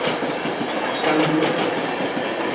Canvi de marxes.